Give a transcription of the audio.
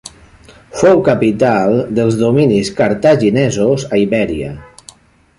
Fou capital dels dominis cartaginesos a Ibèria.